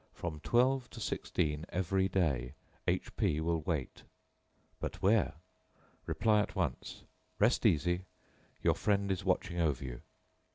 From twelve to sixteen every day, H P will wait. But where? Reply at once. Rest easy; your friend is watching over you."